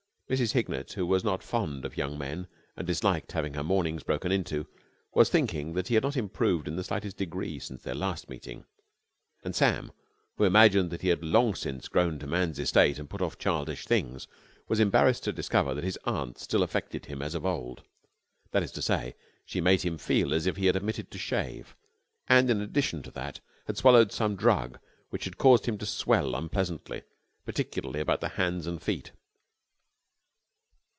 Mrs. Hignett, who was not fond of young men and disliked having her mornings broken into, was thinking that he had not improved in the slightest degree since their last meeting; and Sam, who imagined that he had long since grown to man's estate and put off childish things, was embarrassed to discover that his aunt still affected him as of old. That is to say, she made him feel as if he had omitted to shave, and, in addition to that, had swallowed some drug which had caused him to swell unpleasantly, particularly about the hands and feet.